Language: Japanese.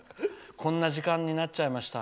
こんな時間になっちゃいました。